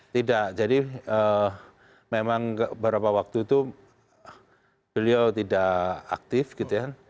tidak jadi memang beberapa waktu itu beliau tidak aktif gitu ya